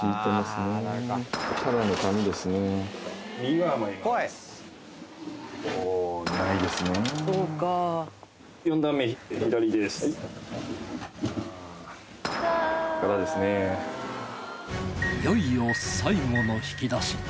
いよいよ最後の引き出し。